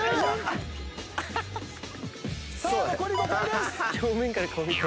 さあ残り５回です。